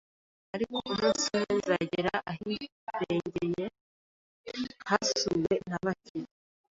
Ariko umunsi umwe nzagera ahirengeye hasuwe na bake